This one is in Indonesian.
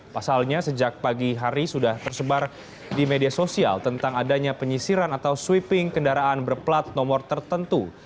pasalnya sejak pagi hari sudah tersebar di media sosial tentang adanya penyisiran atau sweeping kendaraan berplat nomor tertentu